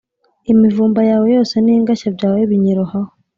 imivumba yawe yose n’ingashya byawe binyirohaho.